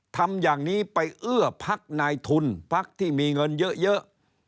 ทำอย่างนี้ไปเอื้อพักนายทุนพักที่มีเงินเยอะ